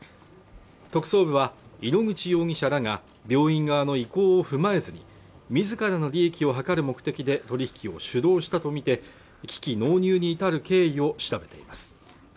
特捜部は井ノ口容疑者らが病院側の意向を踏まえずに自らの利益を図る目的で取引を主導したと見て機器納入に至る経緯を調べています